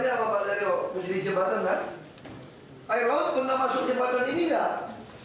saya tanya pak dario di jembatan kan air laut pernah masuk jembatan ini gak